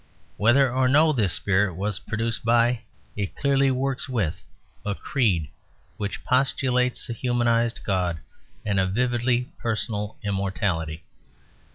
Whether or no this spirit was produced by, it clearly works with, a creed which postulates a humanised God and a vividly personal immortality.